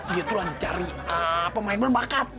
dia tuhan cari pemain berbakat